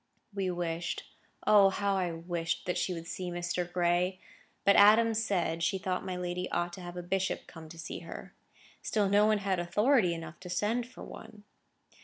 We wished, O how I wished that she would see Mr. Gray! But Adams said, she thought my lady ought to have a bishop come to see her. Still no one had authority enough to send for one.